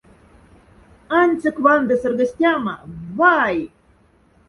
Аньцек ванды сргостяма — вай!